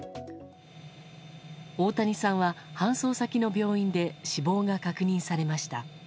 大谷さんは搬送先の病院で死亡が確認されました。